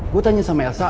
gua tanya sama elsa